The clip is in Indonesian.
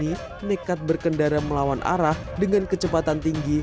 pengendara mobil sedan berwarna hitam ini nekat berkendara melawan arah dengan kecepatan tinggi